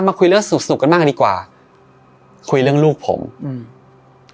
คุยเรื่องสุขสุกกันบ้างดีกว่าคุยเรื่องลูกผมอืม